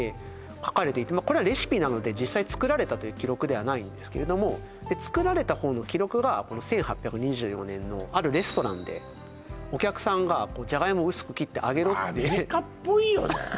書かれていてこれはレシピなので実際作られたという記録ではないんですけれども作られた方の記録がこのあるレストランでお客さんがじゃがいもを薄く切って揚げろってアメリカっぽいよね